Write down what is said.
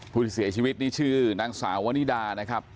ผู้ที่เสียชีวิตนี่ชื่อนางสาววนิดานะครับ